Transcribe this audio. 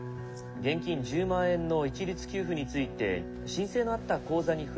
現金１０万円の一律給付について申請のあった口座に振り込む」。